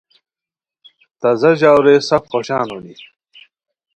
تازہ ژاؤ رے سف خوشان ہونی